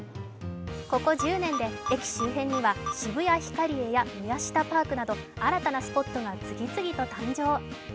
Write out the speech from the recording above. ここ１０年で駅周辺には渋谷ヒカリエやミヤシタパークなど新たなスポットが次々と誕生。